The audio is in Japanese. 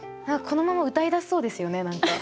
このまま歌い出せそうですよね何か。